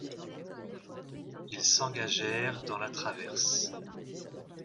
Ils s'engagèrent dans la traverse.